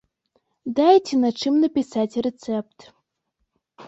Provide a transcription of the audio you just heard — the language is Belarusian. Дайце на чым напісаць рэцэпт.